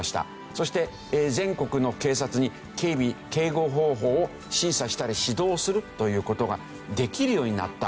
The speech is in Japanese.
そして全国の警察に警備警護方法を審査したり指導するという事ができるようになった。